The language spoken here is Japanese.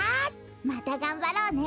またがんばろうね。